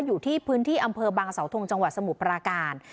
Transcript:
อยู่ที่พื้นที่อำเภอบางเสาทงจังหวัดสมุทรปราการ